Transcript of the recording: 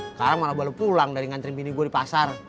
sekarang malah baru pulang dari ngantri mini gue di pasar